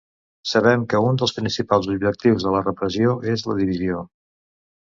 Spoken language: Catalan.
Sabem que un dels principals objectius de la repressió és la divisió.